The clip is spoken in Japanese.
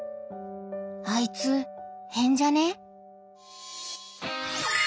「あいつ変じゃね？」。